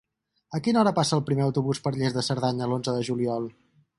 A quina hora passa el primer autobús per Lles de Cerdanya l'onze de juliol?